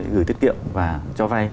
gửi tiết kiệm và cho vay